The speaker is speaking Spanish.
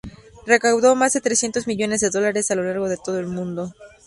Recaudó más de trescientos millones de dólares a lo largo de todo el mundo.